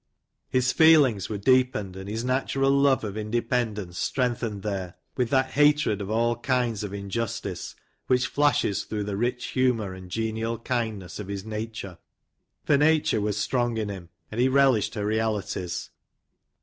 His feelings were deepened, and his natural love of independ ence strengthened there, with that hatred of all kinds of injustice, which flashes through the rich humour and genial kindness of his nature, — for nature was strong in him, and he relished her realities.